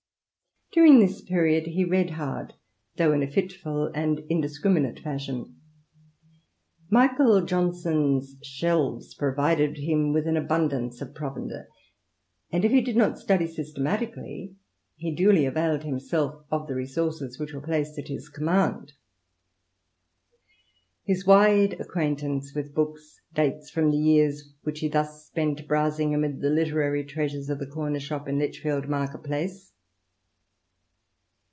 During this period he read hard, though in a fitful and indiscriminate fashion. Michael Johnson's shelves provided him with an abundance of provender, and if he did not study systemat ically he duly availed himself of the resources which were placed at his command. His wide acquaintance with books dates from the years which he thus spent browsing amid the literary treasures of the comer shop in Lichfield market place.